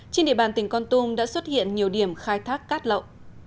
trên địa bàn tỉnh con tum đã xuất hiện nhiều điểm khai thác cát lậu